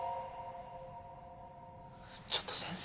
ちょっと先生